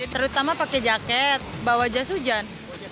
terutama pakai jaket bawa jas hujan